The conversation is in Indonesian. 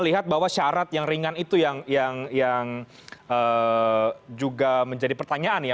melihat bahwa syarat yang ringan itu yang juga menjadi pertanyaan ya